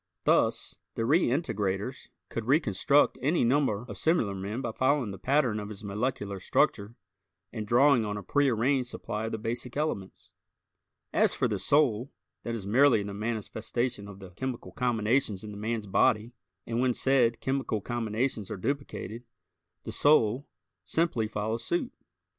Thus, the reintegrators could reconstruct any number of similar men by following the pattern of his molecular structure and drawing on a prearranged supply of the basic elements. As for the "soul," that is merely the manifestation of the chemical combinations in the man's body, and when said chemical combinations are duplicated, the "soul" simply follows suit.